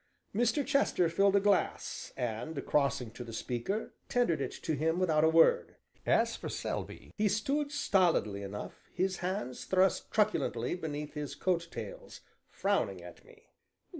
Mr. Chester filled a glass, and crossing to the speaker, tendered it to him without a word; as for Selby, he stood stolidly enough, his hands thrust truculently beneath his coat tails, frowning at me.